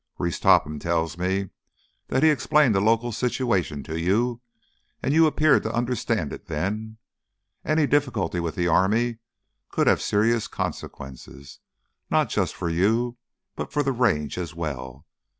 "Reese Topham tells me that he explained the local situation to you, and you appeared to understand it then. Any difficulty with the army could have serious consequences, not just for you, but for the Range as well.